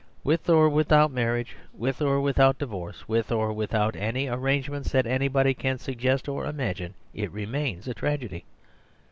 With or without marriage, with or without divorce, with or without any arrangements that any body can suggest or imagine, it remains a tragedy.